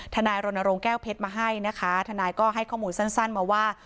ทนายรณรงค์แก้วเพชรมาให้นะคะทนายก็ให้ข้อมูลสั้นมาว่า